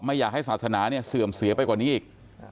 อยากให้ศาสนาเนี่ยเสื่อมเสียไปกว่านี้อีก